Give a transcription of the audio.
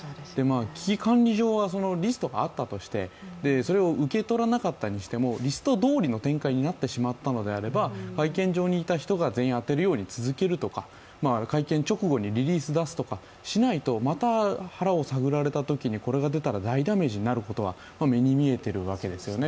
危機管理上は、リストがあったとしてそれを受け取らなかったにしても、リストどおりの展開になってしまったのであれば、会見場にいた人が全員当てるように続けるとか会見直後にリリースを出すとかしないとまた腹を探られたときに、これが出たら大ダメージになることは目に見えているわけですよね。